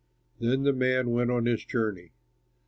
Then the man went on his journey.